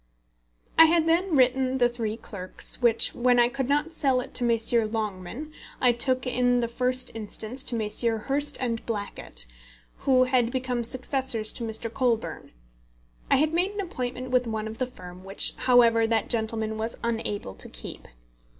I had then written The Three Clerks, which, when I could not sell it to Messrs. Longman, I took in the first instance to Messrs. Hurst & Blackett, who had become successors to Mr. Colburn. I had made an appointment with one of the firm, which, however, that gentleman was unable to keep.